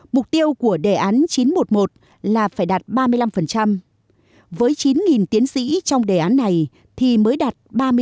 mục tiêu của đề án chín trăm một mươi một là phải đạt ba mươi năm với chín tiến sĩ trong đề án này thì mới đạt ba mươi năm